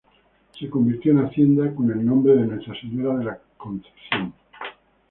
Se convirtió en hacienda con el nombre de "Nuestra Señora de la Concepción".